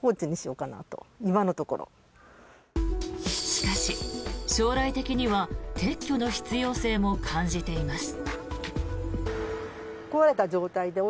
しかし将来的には撤去の必要性も感じています。